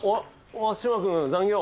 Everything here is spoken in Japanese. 松島君残業？